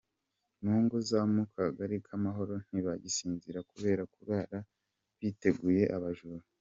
Mu ngo zo mu kagali k’amahoro ntibagisinzira kubera kurara biteguye abajura.